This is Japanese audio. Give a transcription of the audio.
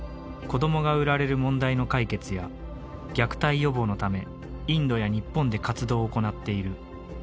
子どもが売られる問題の解決や虐待予防のためインドや日本で活動を行っている。